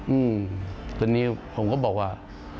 อื้อทีนี้ผมก็บอกว่า